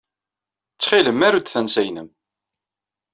Ttxil-m, aru-d tansa-nnem.